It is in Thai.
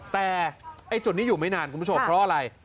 แต่ไอ้จุดนี้อยู่ไม่นานคุณผู้ชมเพราะอะไร